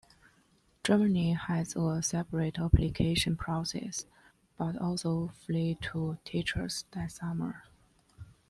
Germany has a separate application process, but also flew two teachers that summer.